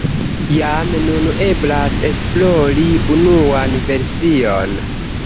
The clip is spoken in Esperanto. Jam nun eblas esplori unuan version.